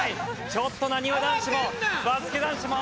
ちょっとなにわ男子もバスケ男子も慌ててる。